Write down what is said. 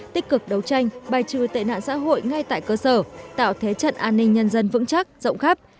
tích cực đấu tranh bài trừ tệ nạn xã hội ngay tại cơ sở tạo thế trận an ninh nhân dân vững chắc rộng khắp